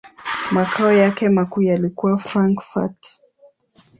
Makao yake makuu yalikuwa Frankfurt.